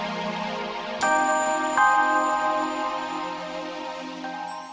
jadi supaya pilih delapan